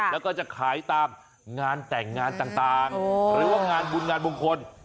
แล้วก็จะขายตามงานแต่งงานต่างหรือว่างานบุญงานมงคล